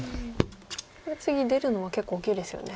これ次出るのは結構大きいですよね。